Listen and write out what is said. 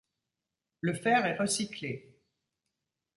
Le fer est recyclé.